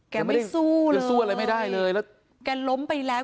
แกไม่สู้แกสู้อะไรไม่ได้เลยแล้วแกล้มไปแล้ว